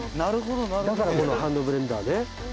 「だからこのハンドブレンダーね」